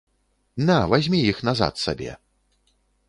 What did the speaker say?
На, вазьмі іх назад сабе.